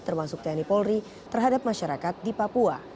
termasuk tni polri terhadap masyarakat di papua